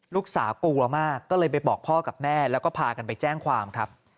ลูกสาวกลัวมากก็เลยไปบอกพ่อกับแม่แล้วก็พากันไปแจ้งความครับ